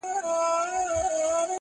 بې اختیاره وړي په پښو کي بېړۍ ورو ورو٫